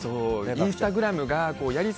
インスタグラムがこ